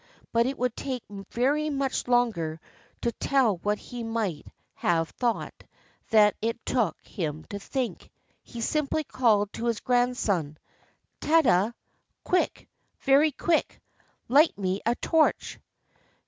... But it would take very much longer to tell what he might have 346 HOW A MAN BECAME A GOD thought than it took him to think. He simply called to his grandson: — "Tada! — quick, — very quick! ... Light me a torch."